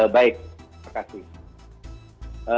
baik terima kasih